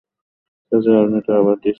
তাছাড়া, আপনি তো আবার ডিসির কাছের মানুষ।